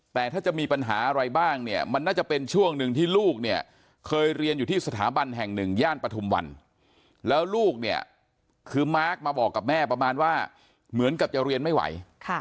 แต่ถ้าจะมีปัญหาอะไรบ้างเนี่ยมันน่าจะเป็นช่วงหนึ่งที่ลูกเนี่ยเคยเรียนอยู่ที่สถาบันแห่งหนึ่งย่านปฐุมวันแล้วลูกเนี่ยคือมาร์คมาบอกกับแม่ประมาณว่าเหมือนกับจะเรียนไม่ไหว